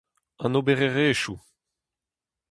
An obererezhioù.